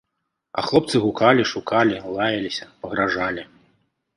А хлопцы гукалі, шукалі, лаяліся, пагражалі.